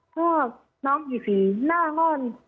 ก็น้องมีสีหน้าก็